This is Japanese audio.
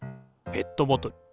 ペットボトル。